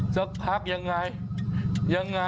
สักพักยังไงยังไง